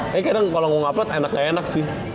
tapi kadang kalau mau nge upload enak enak sih